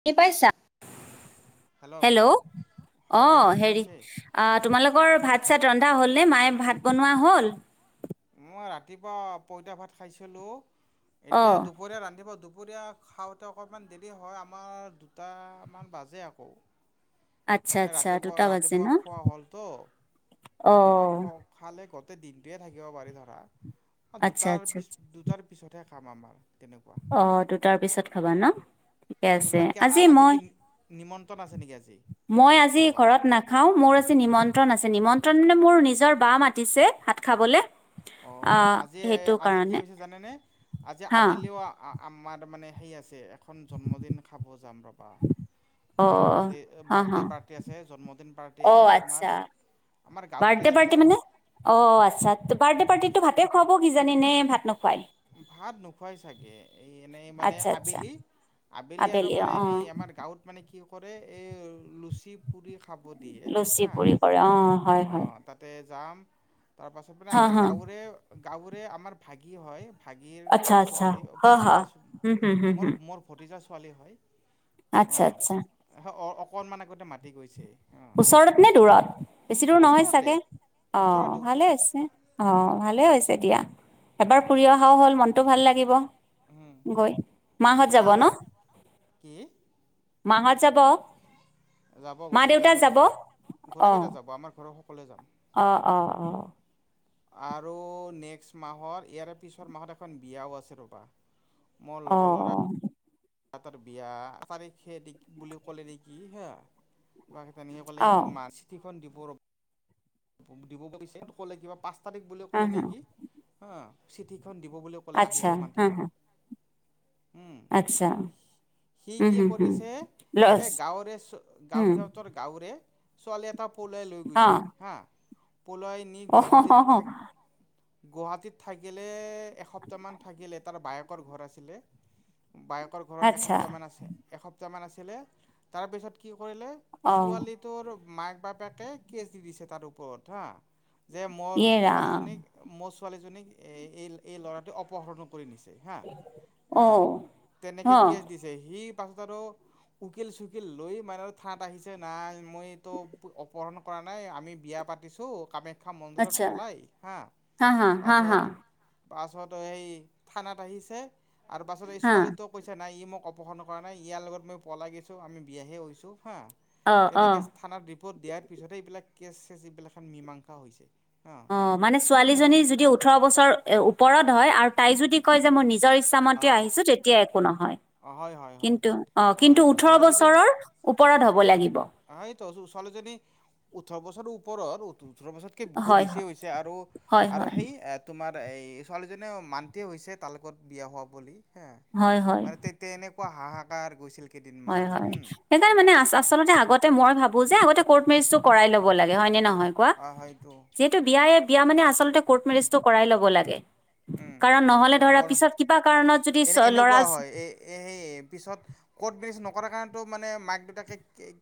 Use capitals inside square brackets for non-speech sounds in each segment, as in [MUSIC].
শুনি পাইছা? হেল্ল'! অ হয় বাইদেউ হেৰি শুনিছে আহ অঁ তোমালোকৰ ভাত চাত ৰন্ধা হ'ল নে মায়ে ভাত বনোৱা হ'ল? মই ৰাতিপুৱা পইতা ভাত খাইছিলো অ এতিয়া দুপৰীয়া ৰান্ধিব দু দুুপুৰীয়া খাওঁতে অকণমান দেৰি হয় আমাৰ দুটামান বাজে আকৌ। আচ্ছা মানে আচ্ছা ৰাতিপুৱা দুটা বাজে ৰাতিপুৱা ন খোৱা হ'ল ত অ ৰাতিপুৱা খ খালে ক'ত? গোটেই দিনটোৱে থাকিব পাৰি ধৰা আচ্ছা দুটাৰ আচ্ছা পিছ আচ্ছা। দুটাৰ পিছতহে খাম আমাৰ। তেনেকুৱা অ দুটাৰ পিছত খাবা ন? ঠিকে আছে তোমাৰ কে আজি মই কি নিমন্ত্ৰণ আছে নেকি আজি মই তোমাৰ আজি ক'ৰবাত? ঘৰত নাখাও মোৰ নিমন্ত্ৰণ আছে নিমন্ত্ৰণ মোৰ নিজৰ বা মাতিছে ভাত খাবলে। অ আজি সেইটো আজি কি কাৰণে হৈছে জানেনে আজি হা আবেলিও আমাৰ মানে সেই আছে এখন জন্মদিন খাব যাম ৰ'বা। অ আজি হা হা বাৰ্থডে' পাৰ্টি আছে জন্মদিন পাৰ্টি অ আছে আচ্ছা তোমাৰ আমাৰ গাঁৱতে বাৰ্থডে আছে পাৰ্টি মানে, অ আচ্ছা। বাৰ্থডে পাৰ্টিতো ভাতে খুৱাব কিজানি নে নোখো ভাত নোখোৱাই চাগে এই এনেই মানে আচ্ছা আচ্ছা আবেলি, আবেলি আৰু মানে সেই আমাৰ গাঁৱত মানে কি কৰে এ লুচি পুৰি খাব দিয়ে লুচি হা পুৰি কৰে অ হয় হয় আহ তাতে যাম, তাৰপাছত মানে হা আমাৰ হা গাঁৱৰে গাঁৱৰে আমাৰ ভাগিন হয়, ভাগীন আচ্ছা আচ্ছা ছোৱালী হা হা ভতিজা হুম হুম হুম মোৰ হুম মোৰ ভতিজা ছোৱালী হয়। আচ্ছা আচ্ছা। অ' অকণমান আগতে মাতি গৈছে। অ' ওচৰত নে দূৰত বেছি দূৰ নহয় ওচৰতে চাগে? অ ওচৰতে ভালে ওচৰতে হৈছে অ ভালে হৈছে দিয়া। এবাৰ ফুৰি অহাও হ'ল মনটো ভাল লাগিব উম, গৈ মাঁ হত যাব আৰু ন? কি? মাঁ হত যাব? যাব মা গোটেইকেইটাই দেউতা যাব গোটেই কেইটা যাব আমাৰ ঘৰৰ সকলোৱে যাম। অ অ অ। আৰু নেক্স মাহত ইয়াৰে পিছৰ মাহত এখন বিয়াও আছে ৰবা অ-অ! [UNINTELLIGIBLE] তাহঁতৰ বিয়া তাৰিখে বুলি ক'লে নেকি হে বা তেনেকে ক'লে অ মা চিঠিখন দিব [UNINTELLIGIBLE] দিব পাৰিছে ক'লে কিবা পাঁচ তাৰিখ বুলি হা ক'লে হা নেকি হা চিঠিত দিব বুলি ক'লে আচ্ছা আহিব, হা মাতিব। হা উম আচ্ছা! সি উম কি হুম হুম কৰিছে এ লছ গাঁৱৰে গাঁওৰে উম [UNINTELLIGIBLE] সিহঁতৰ গাঁৱৰে ছোৱালী এটা পলোৱাই লৈ অ গৈছিলে হা? পলোৱাই নি গুৱাহাটীত অ থাক গুৱাহাটীত থাকিলে এসপ্তাহমান থাকিলে তাৰ বায়েকৰ ঘৰ আছিলে। বায়েকৰ ঘৰত এসপ্তাহমান আছে, এসপ্তাহমান আছিলে তাৰপিছত কি কৰিলে ছোৱালী তোৰ মাক-বাপেকে কেচ দি দিছে তাৰ ওপৰত হা যে মোৰ ছোৱালীজনীক, মোৰ ছোৱালীজনীক এই ল'ৰাটোৱে অপহৰণ কৰি নিছে। হা [INAUDIBLE] বা তেনেকে কেছ দিছে সি পাছত আৰু উকিল-চুকিল লৈ মানে আৰু থানাত আহিছে নাই, মইটো অপহৰণ কৰা নাই আমি বিয়া পাতিছো কামাখ্যা মন্দিৰত আচ্ছা পলাই হা হা হা হা হা পাছত পাছত সেই থানাত আহিছে আৰু পাছত এই হা ছোৱালীটোৱে কৈছে নাই ই মোক অপহৰণ কৰা নাই, ইয়াৰ লগত মই পলাগ গৈছোঁ, আমি বিয়াহে হৈছোঁ হা, অ অ তেনেকৈ স্থানত ৰিপত দিয়াৰ পিছতে এইবিলাক কেচ-চেচ এইবিলাক এখন মীমাংসা হৈছে। অ অঁ মানে ছোৱালীজনী যদি ওঠৰ বছৰ ওপৰত হয় আৰু তাই যদি কয় যে মই নি নিজৰ অ ইচ্ছামতে আহিছো তেতিয়া একো নহয়। অ হয় হয় হয় কিন্তু অঁ কিন্তু ছোৱালী ওঠৰ বছৰৰ ওপৰত হব লাগিব। [UNINTELLIGIBLE] ছোৱালীজনীৰ ওঠৰ বছৰৰো ও ওপৰত ওঠৰ বছৰতকে বহুত হয় বেছি হয় হৈছে আৰু হয় সেই এ তোমাৰ এই ছোৱালীজনীও মান্তিয়ে হৈছে তাৰ লগত বিয়া হোৱা বুলি হা, হয় হয় মানে তেতিয়া এনে কোৱা হাহাকাৰ হৈছিল। হয়-হয় সেইকাৰণে মানে আ-আচলতে আগতে মই ভাবো [UNINTELLIGIBLE] আগতে কৰ্ট মেৰেজটো কৰাই ল'ব লাগে, হয় নে নহয় কোৱা? অঁ হয়তো যিহেতু বিয়া এই বিয়া মানে আচল [UNINTELLIGIBLE] কৰ্ট মেৰেজটো কৰাই ল'ব লাগে। উম! কাৰণ নহ'লে ধৰা [UNINTELLIGIBLE] পিছত কিবা কাৰণত যদি এনে ল'ৰা এনেকুৱা হয় এ সেই পিছত কৰ্ট মেৰেজ নকৰা কাৰণটো মানে মাক-দেউটাকে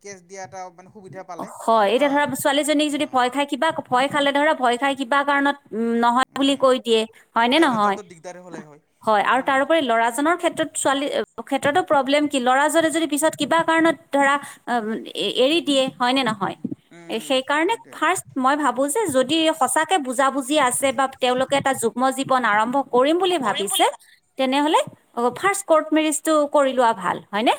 কেছ দিয়া এটা মানে সুবিধা পালে হয় হা এতিয়া ধৰা ছোৱালীজনীক হা যদি ভয় খাই কিবা, ভয় খালে ধৰা, ভয় খাই কিবা কাৰণত উম! নহয় বুলি কৈ দিয়ে হয়নে তেনেহ'লে নহয়? তাতো দিগদাৰে হ'লে হয় আৰু উম তাৰোপৰি ল'ৰাজনৰ ক্ষেত্ৰত ছোৱালী ক্ষেত্ৰতো প্ৰব্লেম কি ল'ৰাজনে যদি পিছত কিবা কাৰণত ধৰা এৰি দিয়ে। হয়নে নহয়? এ উম সেইকাৰণে সেইটোৱে ফাৰ্ষ্ট মই ভাবো যে যদি সঁচাকে বুজাবুজি আছে বা তেওঁলোকে এটা যোক ম জীৱন আৰম্ভ কৰিম বুলি ভাবিছে তেনেহলে ফাষ্ট কৰ্ট মেৰেজটো কৰি লোৱা ভাল হয় নে?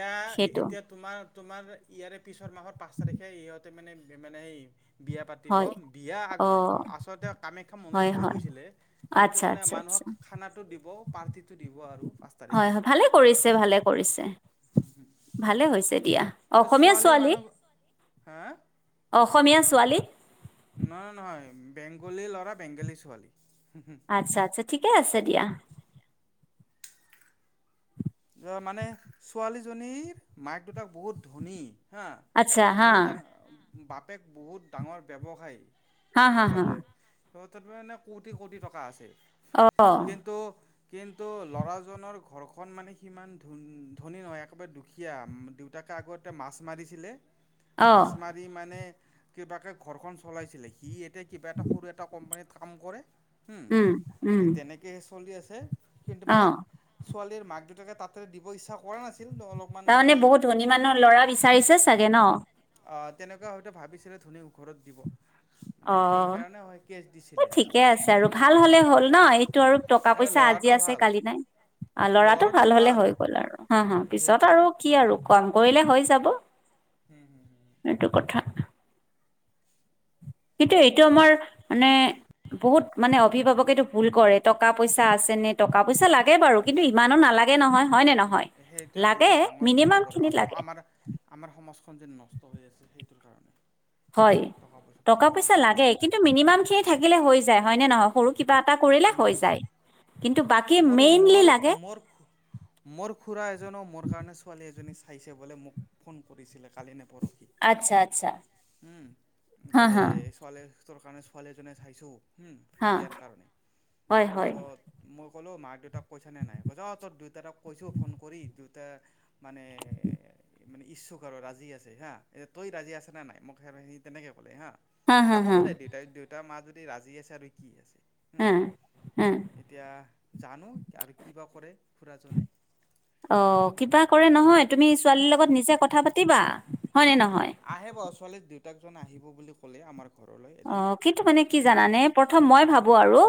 এতিয়া-এতিয়া তোমাৰ-তোমাৰ ইয়াৰে পিছৰ মাহৰ পাঁচ তাৰিখে সিহঁতে মানে-মানে এই বিয়া পাতিব, হয় বিয়া অ' আ-আচলতে কামাখ্যা মন্দিৰত হয় হৈ হয় গৈছিলে কিন্তু আচ্ছা মানে আচ্ছা মানুহ আচ্ছা খানাটো দিব, পাৰ্টিটো দিব আৰু পাঁচ হয় তাৰিখে। হয় ভালে কৰিছে ভালে কৰিছে, ভালে হৈছে দিয়া। অসমীয়া ছোৱালী। হা অসমীয়া ছোৱালী? নহয়-নহয় বেংগলী ল'ৰা, বেংগলী ছোৱালী। আচ্ছা-আচ্ছা ঠিকে আছে দিয়া। মানে ছোৱালীজনীৰ মাক-দেউতাক বহুত ধনী। হা আচ্ছা হা বহুত ডাঙৰ। বাপেক বহুত ডাঙৰ ব্যৱসায়ী। হা-হা-হা ত ত মানে কোটি কোটি টকা আছে। অ' কিন্তু কিন্তু ল'ৰাজনৰ ঘৰখন মানে। ইমান ধন ধনী নহয় একেবাৰে দুখীয়া দেউতাকে আগতে মাছ মাৰিছিলে। অ' মাছ মাৰি মানে কিবাকে ঘৰখন চলাইছিলে সি। কিবা এটা সৰু এটা কোম্পানীত কাম কৰে। উম তেনেকেহে চলি আছে কিন্তু মানে অ' ছোৱালীৰ মাক দেউতাকে। তাতে দিব ইচ্ছা কৰা নাছিল। অলপমান তাৰমানে মানে বহুত ধনী মানুহ ল'ৰা বিচাৰিছে চাগে ন। অ তেনেকুৱা হয়তো ভাবিছিলে ধনী ঘৰত দিব। মানে [UNINTELLIGIBLE] সেইকাৰণে হয় কেছ অ দিছিলে ঠিকে আচলতে আছে আৰু ভাল হলে হ'ল ন এইটো আৰু টকা এই পইচা আজি। ল'ৰাটো ভাল কালি নাই ল'ৰাটো ভাল হলে হৈ গ'ল আৰু পিছত আৰু সেইটোৱে কি আৰু ক। কৰিলে হৈ যাব এইটো কথা। কিন্তু এইটো আমাৰ মানে। বহুত মানে অভিভাৱকেতটো ভুল কৰে টকা পইচা আছে নে টকা পইচা লাগে বাৰু কিন্তু ইমানো নালাগে। লাগে হয়নে নহয়। সেইটোয়ে লাগে বহুত ডাঙৰ ভুল মিনিমাম কৰে খিনি আমাৰ লাগে আমাৰ আমাৰ সমস্যা। খন যেন নষ্ট হৈ আছিল সেইটোৰ কাৰণে। হয়। টকা পইচা লাগে কিন্তু মিনিমাম খিনি থাকিলে হৈ যায় হয়নে নহয় সৰু কিবা এটা কৰিলে হৈ উম যায়। কিন্তু বাকী। মোৰ মেইনলি মোৰ লাগে মোৰ মোৰ খুৰা এজনো মোৰ কাৰণে ছোৱালী। এজনী চাইছে বো মোক ফোন কৰিছিলে কালি ন। আচ্ছা আচ্ছা। উম হা কলে হা ছোৱালী। কাৰ ছোৱালী এজনে চাইছো হা বিয়াৰ কাৰণ হয় হয় তাৰপিছত মই। কলো মা দেউতাক কৈছা নে নাই কৈ য তই দেউতাক কৈছো ফোন কৰি দেউতাই। মানে। মানে ইচ্ছুক আৰু ৰাজি আছে হা এতিয়া তই ৰাজি আছে নে নাই মোক স সি তেনেকে ক'লে হা। হা হা হ'ব দে দেউতাই দেউতাৰ মা যদি ৰাজি আছে আৰু কি আছে। হুম, হে হে। এতিয়া জানো আৰু কিবা কৰে খুৰাজনে। অ' কিবা কৰে নহয় তুমি ছোৱালীৰ লগত নিজে কথা পাতিবা। হয় নে নহয়? আহেব, ছোৱালীৰ দেউতাক জন আহিব বুলি ক'লে আমাৰ ঘৰলৈ এদিন অ' কিন্তু মানে কি জানানে প্ৰথম মই ভাবো আৰু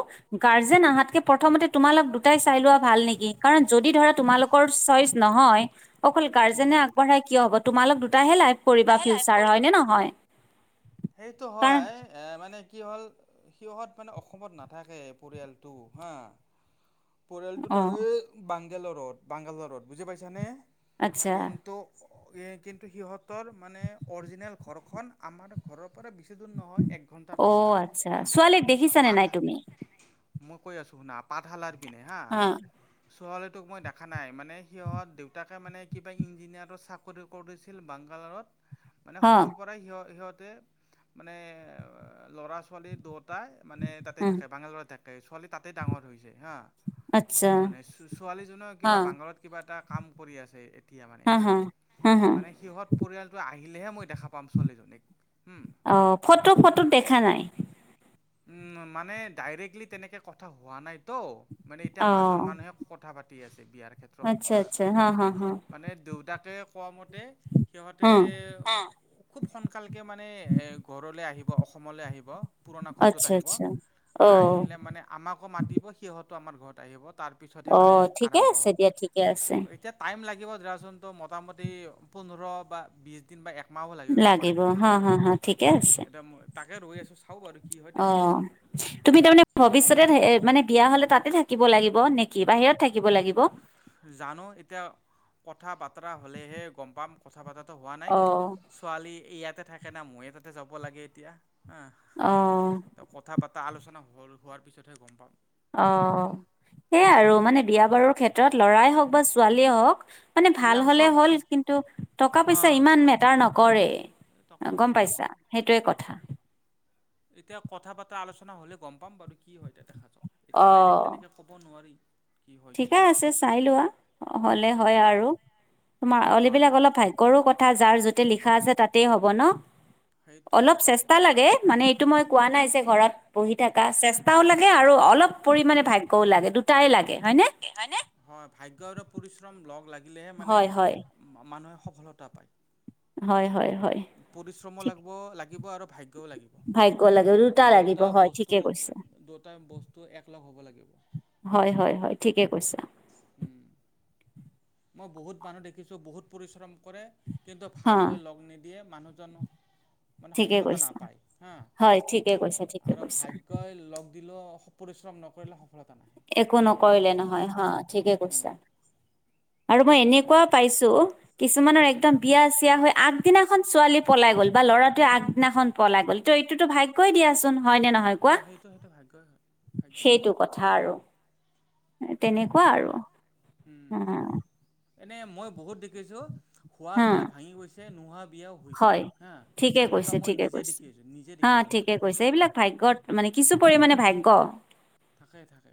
গাৰ্জেন আহাতকে প্ৰথম তোমালোক দুটাই চাই লোৱা ভাল নেকি কাৰণ যদি ধৰা তোমালোকৰ চইচ ন নহয়, অকল গাৰ্জেনে উম, আগবঢ়াই কিয় হব তোমালোক দুটাহে লাইফ কৰিবা ফিউচাৰ হয় নে নহয়? কাৰণ এ মানে কি হল সিহঁত মানে অসমত নাথাকে পৰিয়ালটো হা। [INAUDIBLE] পৰিয়ালটো অ' থাকে বাংগালৰত - বাংগালৰত বুজি পাইছানে? আচ্ছা কিন্তু কিন্তু সিহঁতৰ মানে অৰিজিনেল ঘৰখন আমাৰ ঘৰৰ পৰা বেছি দূৰ নহয় এক ঘন্টা ৰাস্তা। অ' আচ্ছা উম। ছোৱালীক দেখিছানে পাঠ নাই তুমি মই কৈ আছো শুনা পাঠশালাৰ পিনে হা। অ ছোৱালীটোক মই দেখা নাই মানে সিহঁত দেউতাকে মানে কিবা ইঞ্জিনিয়াৰৰ চাকৰি কৰিছিল বাংগালোৰত মানে হ সৰু পৰাই সিহ - সিহঁতে মানে ল'ৰা ছোৱালী দুয়ো টাই মানে তাতে উম থাকে বাংগালোৰত থাকে। ছোৱালী তাতেই ডাঙৰ হৈছে হা। আচ্ছা মানে ছো - ছোৱালীজনীও অ কিবা বাংগলত কিবা এটা কাম কৰি আছে এতিয়া মানে হা মানে সিহঁত পৰিয়ালটো আহিলেহে মই দেখা পাম ছোৱালীজনীক। হুম অ' ফটো - ফটোত দেখা নাই? উম, মানে ডাইৰেক্টলি তেনেকে কথা হোৱা নাই। তৌ মানে এতিয়া মাজৰ অ' মানুহে কথা পাতি আছে। বিয়াৰ ক্ষেত্ৰত আচ্ছা হা আচ্ছা হা হা মানে দেউতাকে কোৱা মতে সিহঁতে, হা অ'। খুব সোনকালকে মানে এ গৰলে আহিব অসমলে আহিব। পুৰণা ঘৰটোত আচ্ছা আহিব। আচ্ছা অ' আহিলে মানে আমাকো মাতিব, সিহঁতো আমাৰ ঘৰত আহিব। তাৰ পিছত হে অ মানে ঠিকে আৰাম্ভ আছে হ'ব। দিয়া ঠিকে আছে এতিয়া টাইম লা লাগিব ধৰাচোন তো মোটামটি পোন্ধৰ বা বিছ দিন বা একমাহো লাগিব পাৰে। হ উম, হ হ, ঠিকে আছে। এতিয়া তাকে ৰৈ আছো। অ' তুমি তাৰমানে ভৱিষ্যতে থা এ মানে বিয়া হ'লে তাতে থাক কিব লাগিব নেকি বাহিৰত থাকিব লাগিব? জানো এতিয়া কথা বাতৰা হলেহে গম পাম কথা পাতা হোৱা নাই, অ ছোৱালী ইয়াতে থাকে না মই এ তাতে যাব লাগে এতিয়া। অ কথা পাতা আলোচনা হ - হোৱাৰ পিছতহে গম পাম। অ' সেয়াই আৰু মানে বিয়া বাৰুৰ ক্ষেত্ৰত ল'ৰাই হওক বা ছোৱালীয়ে হওক মানে ভাল এইগিলাক হলে চব হ'ল কিন্তু টকা হা পইচা ইমান মেটাৰ নকৰে। টকা পইচা গম চিন্তা পাইছা নকৰা। সেইটোৱে কথা। এতিয়া কথা পাতা আলোচনা হলে গম পাম বাৰু কি হয় এতিয়া দেখা যাক। অ এতিয়া ডাইৰেক্ট তেনেকে ক'ব নোৱাৰি। কি হয় কি ঠিকে আছে নহয়। চাই লোৱা হলে হয় আৰু। তোমাৰ হয় অলিবিলাক হয় অলপ ভাগ্যৰো কথা যাৰ য'ত তে লিখা আছে তাতে হ'ব ন! সেইটোতো অলপ হয়েই চেষ্টা লাগে মানে এইটো মই কোৱা নাই যে ঘৰত পঢ়ি থাকা চেষ্টাও লাগে আৰু অলপ পৰিমাণে ভাগ্যও লাগে দুটাই লাগে। হয়নে? হয়নে? হয় ভাগ্য আৰু পৰিশ্ৰম লগ লাগিলেহে মানে হয় হয় মানুহে সফলতা পায়। হয় হয় হয়, ঠিক। থাকিব আৰু ভাগ্যও লাগিব ভাগ্য লাগে দুটা লাগিব দটা হয় বস্তু, ঠিকে কৈছা দুয়োটা বচ তু একলগ হ'ব লাগিব। হয় হয় হয়, ঠিকে কৈছা। উম, মই বহুত মানুহ দেখিছো বহুত পৰিশ্ৰম কৰে। কিন্তু ভাগ হা গৈ লগ নিদিয়ে মানুহজনো মানে ঠিকে সফলতা কৈছা নাপায় হা, হয় ঠিকে কৈছা ঠিকে আৰু কৈছা ভাগ্যই লগ দিলও পৰিশ্ৰম নকৰিলে সফলতা নাহে একো এনেকুৱা নকৰিলে হয় নহয় হা ঠিকে কৈছা। উম, আৰু মই এনেকুৱা পাইছো, কিছুমানৰ একদম কিছুমানৰ বিয়া চিয় হৈ আগ আগদিনাখন ছোৱালী পলাই গ'ল বা ল'ৰাটোৱে আগদিনাখন পলাই গ'ল ত এইটোতো ভাগ্যই দিয়াচোন। হয় নে নহয় কোৱা হয় সেইটো সেইটো ভাগ্যই হয় ভাগ্যয় হয়। সেইটো কথা আৰু কি তেনেকুৱা আৰু কওঁ উম। এনে মই বহুত দেখিছো খোৱা হা বিয়া ভাঙি গৈছে নোহোৱা বিয়াও হৈছে হয় হা। ঠিকে এনেকুৱা কৈছে মই ঠিকে নিজে কৈছে দেখি আছোঁ নিজে হা দেখিছোঁ। ঠিকে এইবিলাক কৈছে বস্তু এইবিলাক ভাগ্যত মানে কিছু পৰিমানে ভাগ্য। থাকে থাকে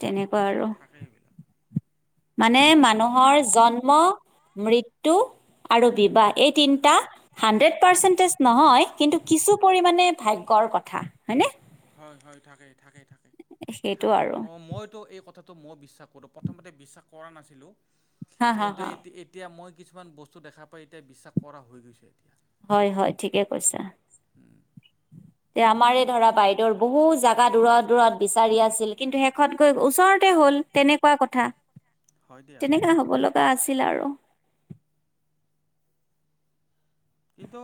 তেনেকুৱা আৰু থাকে এইবিলাক। মানে মানুহৰ জন্ম মৃত্যু আৰু বিবাহ এই তিনিটা হাণ্ড্ৰেড পাৰ্চেণ্টেজ নহয় কিন্তু কিছু পৰিমণে ভাগ্যৰ কথা। হয়নে হয় হয় থাকে থাকে থাকে সেইটো থাকে আৰু ম মইতো এই কথা মই বিশ্বাস কৰা প্ৰথমতে বিশ্বাস কৰা নাছিলো, হা হা কিন্তু হা এ এতিয়া মই কিছুমান বস্তু দেখা পাই এতিয়া বিশ্বাস কৰা হৈ গৈছে। এতিয়া। হয় হয় ঠিকে কৈছা। তে আমাৰে ধৰা বাইদেউৰ বহুত জাগা দূৰত দূৰত বিচাৰি আছিল কিন্তু শেষত গৈ ওচৰতে হ'ল। তেনেকুৱা কথা হয় দিয়া তেনেকা হ'ব লগা আছিল আৰু কিন্তু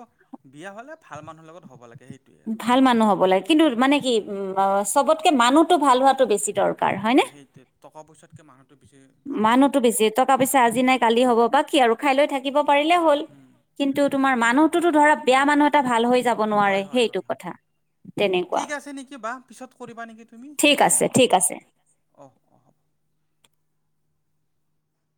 বিয়া হ'লে ভাল মানুহৰ লগত হ'ব লাগে, সেই ভাল মানুহ হ'ব লাগে, কিন্তু মানে কি উম' অ, চবতকে মানুহতো ভাল হোৱাতো বেছি দৰকাৰ। এ সেইটো টকা পইচাতকে মাহ মানুহতো বেছি, টকা-পইচা আজি নাই, কালি হ'ব। বা কি আৰু? খাই লৈ থাকিব পাৰিলে হ'ল। উম। কিন্তু তোমাৰ মানুহতোতো ধৰা বেয়া মানুহ এটা ভাল হৈ যাব নোৱাৰে, হয় হয় সেইটো হয় হয়। কথা। তেনেকুৱা ঠিক আছে নেকি বা, পিছত কৰিবা নেকি তুমি ঠিক নে কি? আছে ঠিক অহ অহ হ'ব। [INAUDIBLE]